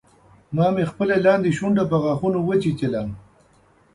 ما مې خپله لاندۍ شونډه په غاښونو وچیچله